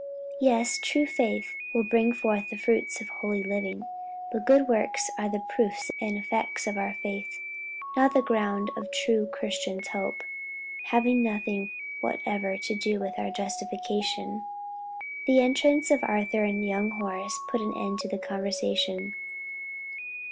"Yes, true faith will bring forth the fruits of holy living; but good works are the proofs and effects of our faith, not the ground of the true Christian's hope; having nothing whatever to do with our justification." The entrance of Arthur and young Horace put an end to the conversation.